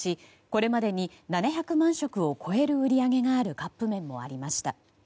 これまでに７００万食を超える売り上げがあるカップ麺もありました。